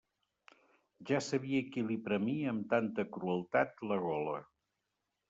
Ja sabia qui li premia amb tanta crueltat la gola.